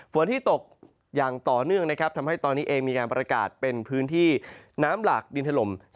ฝนที่ตกอย่างต่อเนื่องนะครับทำให้ตอนนี้เองมีการประกาศเป็นพื้นที่น้ำหลากดินถล่ม